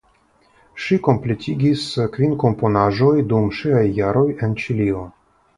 Ŝi kompletigis kvin komponaĵoj dum ŝiaj jaroj en Ĉilio.